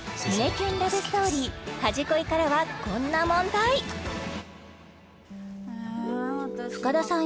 キュンラブストーリー「はじこい」からはこんな問題深田さん